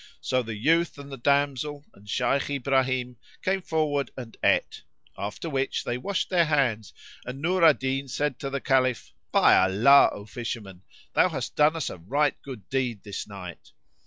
So the youth and the damsel and Shaykh Ibrahim came forward and ate; after which they washed their hands and Nur al Din said to the Caliph, "By Allah, O fisherman, thou hast done us a right good deed this night."